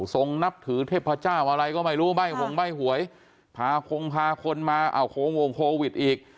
ทรงนับถือเทพเจ้าอะไรก็ไม่รู้ไบ้ห่วงไบ้หวยพาคนมาเอาโควิดอีก